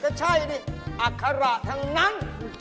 ก็ใช่ดิอัคระทั้งนั้น